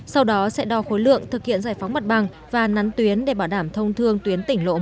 sau đó sẽ đo khối lượng thực hiện giải phóng mặt bằng và nắn tuyến để bảo đảm thông thương tuyến tỉnh lộ một trăm ba mươi hai